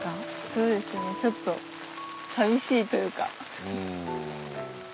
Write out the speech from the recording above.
そうですねちょっとさみしいというか。